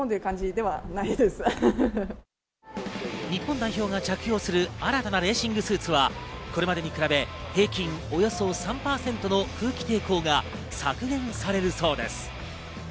日本代表が着用する新たなレーシングスーツはこれまでに比べ、平均およそ３％の空気抵抗が削減されるそうです。